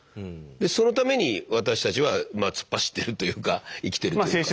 でそのために私たちはまあ突っ走ってるというか生きてるというか。